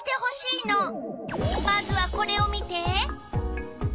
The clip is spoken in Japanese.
まずはこれを見て！